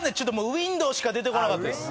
「ウィンドウ」しか出てこなかったです。